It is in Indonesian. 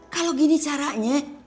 kalo gini caranya